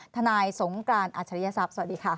นายสงกรานอัจฉริยศัพย์สวัสดีค่ะ